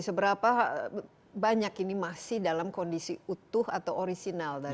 seberapa banyak ini masih dalam kondisi utuh atau orisinal